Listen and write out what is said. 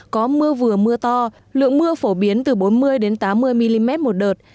có mưa vừa mưa to lượng mưa phổ biến từ bốn mươi tám mươi mm một đợt